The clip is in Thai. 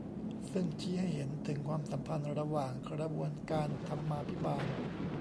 ซึ่งชี้ให้เห็นถึงความสัมพันธ์ระหว่างกระบวนการธรรมาภิบาล